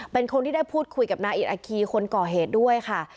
เป็นคนที่ได้พูดคุยกับนายอิดอาคีคนก่อเหตุด้วยค่ะ